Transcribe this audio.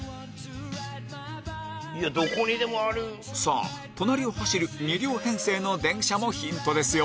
さぁ隣を走る２両編成の電車もヒントですよ